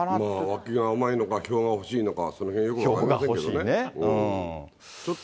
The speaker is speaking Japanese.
わきが甘いのか票が欲しいのか、そのへんよく分かりませんけどね。